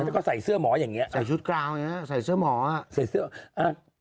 แล้วก็ใส่เสื้อหมออย่างเงี้ยใส่ชุดกราวอย่างเงี้ยใส่เสื้อหมออะ